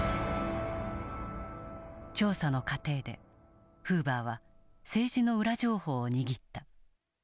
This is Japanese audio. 調査の過程でフーバーは政治の裏情報を握った。